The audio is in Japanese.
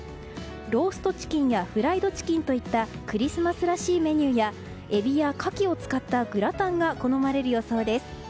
ローストチキンやフライドキチンといったクリスマスらしいメニューやエビやカキを使ったグラタンが好まれる予想です。